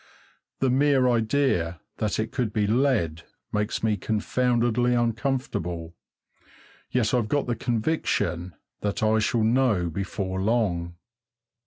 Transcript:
The mere idea that it may be lead makes me confoundedly uncomfortable, yet I've got the conviction that I shall know before long.